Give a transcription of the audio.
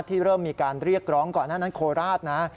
เริ่มมีการเรียกร้องก่อนหน้านั้นโคราชนะ